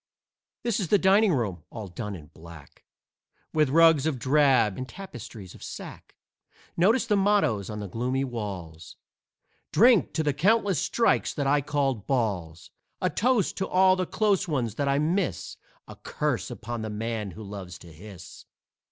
This is the dining room, all done in black, With rugs of drab and tapestries of sack Notice the mottoes on the gloomy walls: "Drink to the countless strikes that I called balls," "A toast to all the close ones that I miss," "A curse upon the man who loves to hiss!"